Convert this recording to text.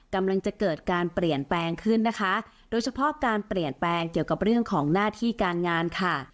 กำลังจะเกิดการเปลี่ยนแปลงขึ้นนะคะโดยเฉพาะการเปลี่ยนแปลงเกี่ยวกับเรื่องของหน้าที่การงานค่ะ